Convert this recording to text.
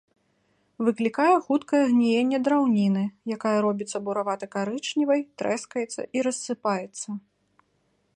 Выклікае хуткае гніенне драўніны, якая робіцца буравата-карычневай, трэскаецца і рассыпаецца.